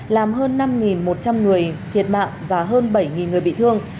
làm hơn năm một trăm linh người thiệt mạng và hơn bảy người bị thương